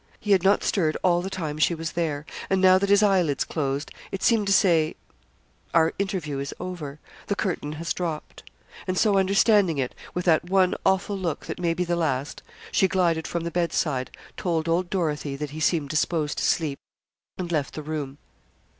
He had not stirred all the time she was there; and now that his eyelids closed, it seemed to say, our interview is over the curtain has dropped; and so understanding it, with that one awful look that may be the last, she glided from the bed side, told old Dorothy that he seemed disposed to sleep, and left the room.